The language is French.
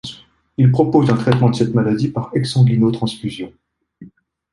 Il propose un traitement de cette maladie par exsanguino-transfusion.